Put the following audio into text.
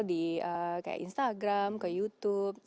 di kayak instagram ke youtube